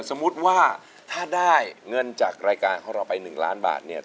สมมุติว่าถ้าได้เงื่อจากรายการเข้าไป๑ล้านบาท